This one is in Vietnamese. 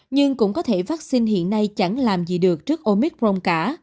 nhưng cũng có thể vaccine hiện nay chẳng làm gì được trước omicron cả